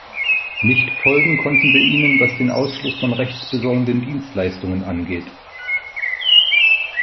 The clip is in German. Nicht folgen konnten wir Ihnen, was den Ausschluss von rechtsbesorgenden Dienstleistungen angeht.